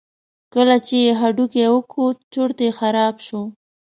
کله چې یې هډوکی وکوت چورت یې خراب شو.